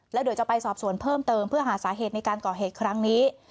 แล้วเดี๋ยวจะไปสอบสวนเพิ่มเติมเพื่อหาสาเหตุในการก่อเหตุครั้งนี้